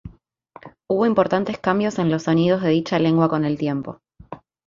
Hubo importantes cambios en los sonidos de dicha lengua con el tiempo.